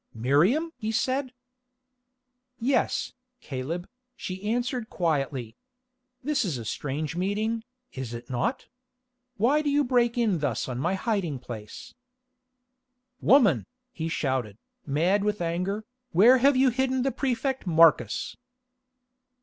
"Miriam!" he said. "Yes, Caleb," she answered quietly. "This is a strange meeting, is it not? Why do you break in thus upon my hiding place?" "Woman," he shouted, mad with anger, "where have you hidden the Prefect Marcus?"